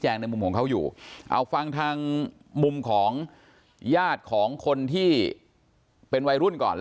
เอาฟางทางมุมของยากได้ของคนที่เป็นวัยรุ่นก่อน